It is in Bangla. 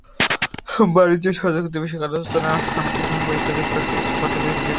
বাণিজ্য সহযোগিতা–বিষয়ক আলোচনা আনুষ্ঠানিকভাবে স্থগিত করার চেয়ে এসব পদক্ষেপই শ্রেয় হবে।